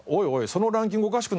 そのランキングおかしくないか？」